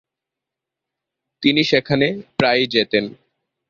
তিনি সেখানে প্রায়ই যেতেন।